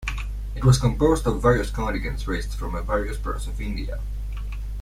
It was composed of various contingents raised from various parts of India.